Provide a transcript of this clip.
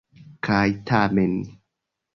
Kaj tamen.